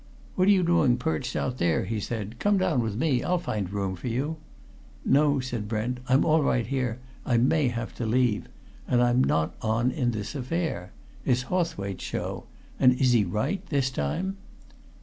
"What're you doing perched out there?" he asked. "Come down with me I'll find room for you." "No," said Brent. "I'm all right here; I may have to leave. And I'm not on in this affair. It's Hawthwaite's show. And is he right, this time?"